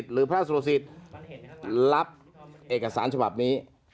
หรือพระสุรสิทธิ์รับเอกสารฉบับนี้